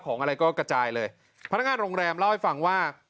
อะไรก็กระจายเลยพนักงานโรงแรมเล่าให้ฟังว่า